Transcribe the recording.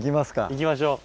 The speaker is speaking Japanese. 行きましょう。